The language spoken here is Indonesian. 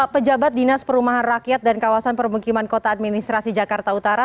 pejabat dinas perumahan rakyat dan kawasan permukiman kota administrasi jakarta utara